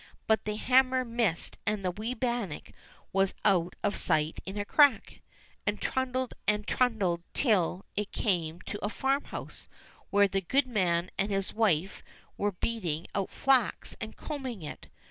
But the hammer missed and the wee bannock was out of sight in a crack, and trundled and trundled till it came to a farm house where the goodman and his wife were beating out flax and combing it.